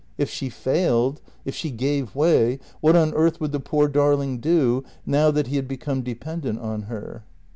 If she failed if she gave way what on earth would the poor darling do, now that he had become dependent on her?